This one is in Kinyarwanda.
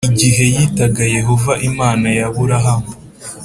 Igihe yitaga yehova imana ya aburahamu